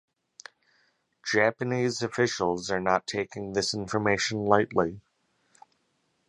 Japanese officials are not taking this information lightly.